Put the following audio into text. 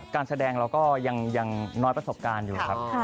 การแสดงเราก็ยังน้อยประสบการณ์อยู่ครับ